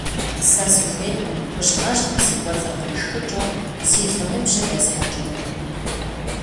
Сэ сыхуейкъым гужьгъэжьым си кӀуэцӀыр къришхыкӀыу си лӀыныбжьыр есхьэкӀыну.